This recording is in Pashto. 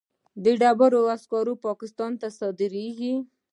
د ډبرو سکاره پاکستان ته صادریږي